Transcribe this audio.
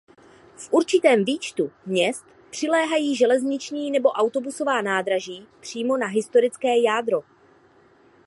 V určitém výčtu měst přiléhají železniční nebo autobusová nádraží přímo na historické jádro.